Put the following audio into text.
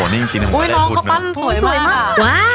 น้องเค้าปั้นสวยมาก